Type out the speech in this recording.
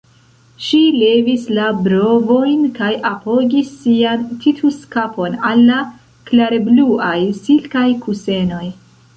Ŝi levis la brovojn kaj apogis sian Titus-kapon al la klarebluaj silkaj kusenoj.